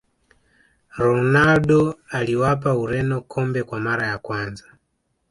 ronaldo aliwapa ureno kombe kwa mara ya kwanza